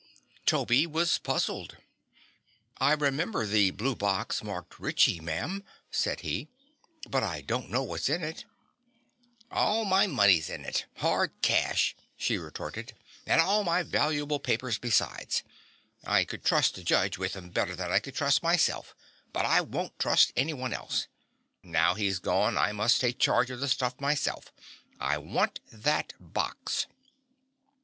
Toby was puzzled. "I remember the blue box marked 'Ritchie,' ma'am," said he, "but I don't know what's in it." "All my money's in it hard cash," she retorted, "and all my valuable papers besides. I could trust the judge with 'em better than I could trust myself; but I won't trust anyone else. Now he's gone I must take charge of the stuff myself. I want that box."